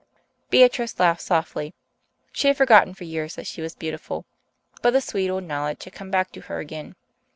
Beatrice laughed softly. She had forgotten for years that she was beautiful, but the sweet old knowledge had come back to her again.